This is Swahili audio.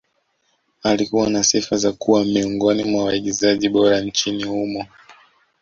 Alikuwa na sifa za kuwa miongoni mwa waigizaji bora nchini humo